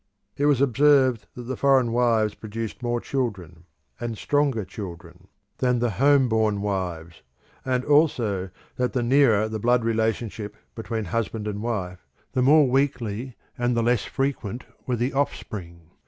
It was observed that the foreign wives produced more children, and stronger children, than the home born wives, and, also that the nearer the blood relationship between husband and wife, the more weakly and the less frequent were the offspring.